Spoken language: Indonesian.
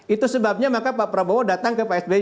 itu sebabnya maka pak prabowo datang ke pak sby